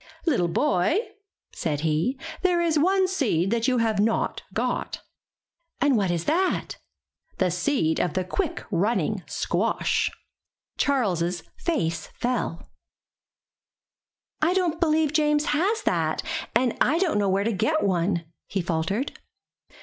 ''Little boy/' said he, there is one seed that you have not got." '*And what is that?" 'The seed of the quick running squash." Charles's face fell. *1 don't believe James has that, and I don't know where to get one," he faltered.